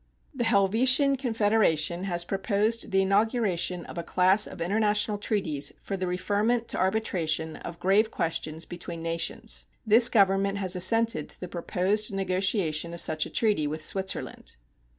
The Helvetian Confederation has proposed the inauguration of a class of international treaties for the referment to arbitration of grave questions between nations. This Government has assented to the proposed negotiation of such a treaty with Switzerland.